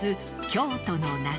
京都の夏。